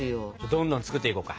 どんどん作っていこうか。